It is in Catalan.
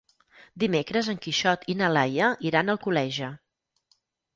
Dimecres en Quixot i na Laia iran a Alcoleja.